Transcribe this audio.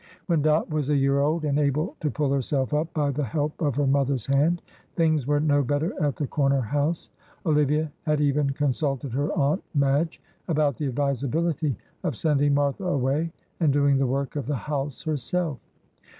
When Dot was a year old and able to pull herself up by the help of her mother's hand, things were no better at the corner house. Olivia had even consulted her Aunt Madge about the advisability of sending Martha away and doing the work of the house herself.